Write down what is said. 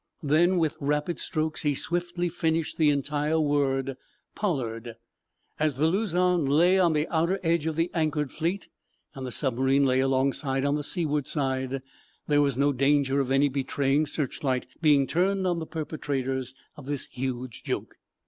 Then, with rapid strokes, he swiftly finished the entire word: "Pollard." As the "Luzon" lay on the outer edge of the anchored fleet, and the submarine lay alongside on the seaward side, there was no danger of any betraying searchlight being turned on the perpetrators of this huge joke.